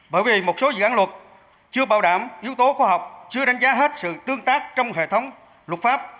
bởi vì một số dự án luật chưa bảo đảm yếu tố khoa học chưa đánh giá hết sự tương tác trong hệ thống luật pháp